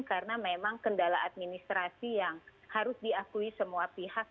karena memang kendala administrasi yang harus diakui semua pihak